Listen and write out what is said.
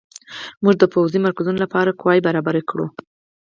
موږ د پوځي مرکزونو لپاره قواوې برابرې کړو.